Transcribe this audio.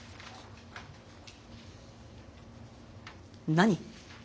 何？